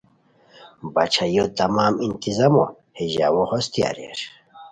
باچھائیو تمام انتظامو ہے ژاؤو ہوستی اریر